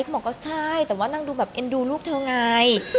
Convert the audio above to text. เขาบอกก็ใช่แต่ว่านางดูแบบเอ็นดูลูกเธอไง